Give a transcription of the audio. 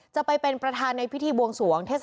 จะไปเป็นประธานในพิธีบวงส่วงเทศตรรกา